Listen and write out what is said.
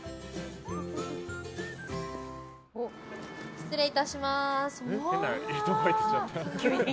失礼いたします。